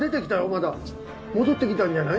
戻って来たんじゃない？